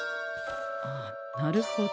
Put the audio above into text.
ああなるほど。